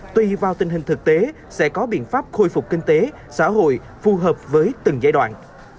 tùy vào tình hình thực tế sẽ có biện pháp khôi phục kinh tế xã hội phù hợp với từng giai đoạn